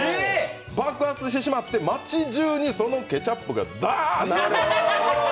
爆発してしまって、町中にそのケチャップがダー流れる。